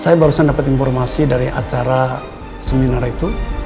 saya baru saja mendapatkan informasi dari acara seminar itu